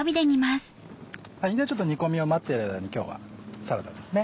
煮込みを待ってる間に今日はサラダですね。